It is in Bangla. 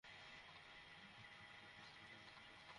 না আমি ঠিক আছি।